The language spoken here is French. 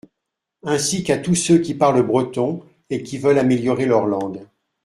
Ainsi qu’à tous ceux qui parlent breton et qui veulent améliorer leur langue.